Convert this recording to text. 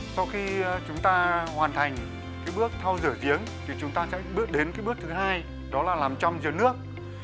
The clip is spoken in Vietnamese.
sau khi chúng ta hoàn thành cái bước thau rửa giếng thì chúng ta sẽ bước đến cái bước thứ hai đó là làm trong giếng nước